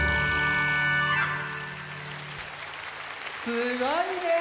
すごいね。